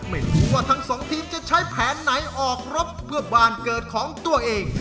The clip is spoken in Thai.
ไม่รู้ว่าทั้งสองทีมจะใช้แผนไหนออกรบเพื่อบ้านเกิดของตัวเอง